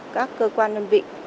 các cơ quan đơn vị